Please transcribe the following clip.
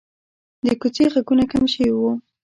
د کوڅې غږونه کم شوي وو.